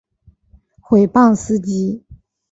毁谤司机